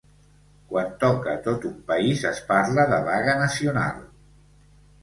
Quan toca tot un país es parla de vaga nacional.